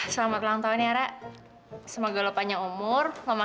selamat ulang tahun kita lagi lapar nih